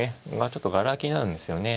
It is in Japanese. ちょっとがら空きになるんですよね。